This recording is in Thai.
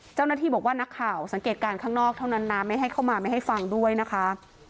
เจ้าหน้าที่บอกว่านักข่าวสังเกตการณ์ข้างนอกเท่านั้นนะไม่ให้เข้ามาไม่ให้ฟังด้วยนะคะ